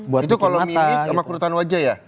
itu kalau mimik sama kerutan wajah ya